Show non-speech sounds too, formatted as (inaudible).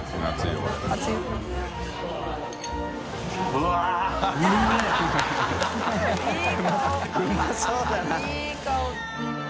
うまそうだな (laughs)